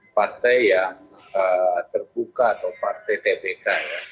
partai yang terbuka atau partai tbk